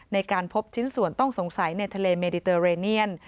ในการพบชิ้นส่วนต้องสงสัยในทะเลเมดิเตอร์เรเนียน